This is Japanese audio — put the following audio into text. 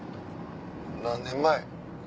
何年前？